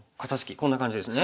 こんな感じですね。